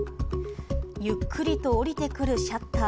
ゆっくりと下りてくるシャッター。